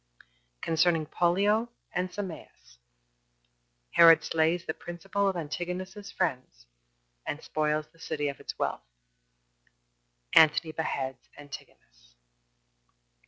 Concerning Pollio And Sameas. Herod Slays The Principal Of Antigonus's Friends, And Spoils The City Of Its Wealth. Antony Beheads Antigonus.